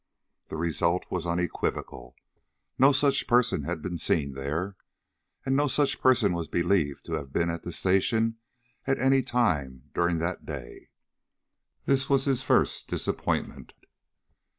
The result was unequivocal. No such person had been seen there, and no such person was believed to have been at the station at any time during that day. This was his first disappointment.